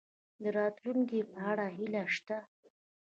د راتلونکي په اړه هیله شته؟